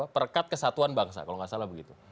perkat kesatuan bangsa kalau nggak salah begitu